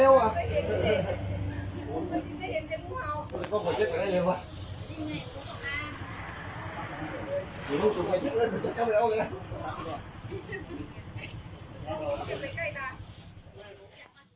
ตัวเมียตัวเมีย